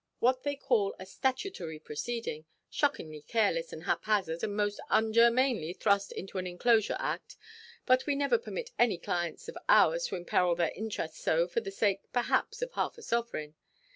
What they call a statutory proceeding, shockingly careless and haphazard, and most ungermainely thrust into an Enclosure Act. But we never permit any clients of ours to imperil their interests so, for the sake, perhaps, of half a sovereign.